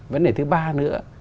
vấn đề thứ ba nữa